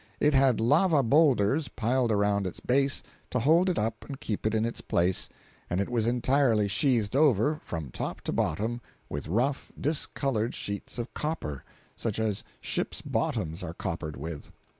It had lava boulders piled around its base to hold it up and keep it in its place, and it was entirely sheathed over, from top to bottom, with rough, discolored sheets of copper, such as ships' bottoms are coppered with.